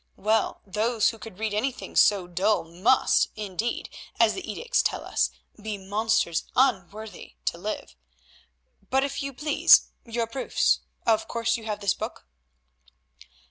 Well, those who could read anything so dull must, indeed, as the edicts tell us, be monsters unworthy to live. But, if you please, your proofs. Of course you have this book?"